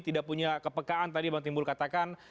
tidak punya kepekaan tadi bang timbul katakan